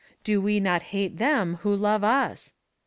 Do we not hate them who love us?